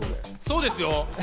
そうですよ。